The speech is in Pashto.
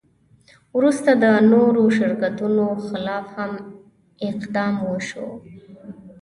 وروسته د نورو شرکتونو خلاف هم اقدام وشو.